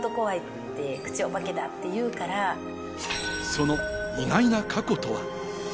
その意外な過去とは？